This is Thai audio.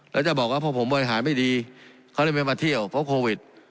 แล้วจะบอกว่าพวกผมบริหารไม่ดีเขาเลยไม่มาเที่ยวเพราะโควิด